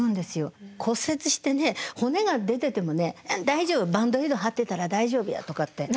骨折してね骨が出ててもね「大丈夫バンドエイド貼ってたら大丈夫や」とかって。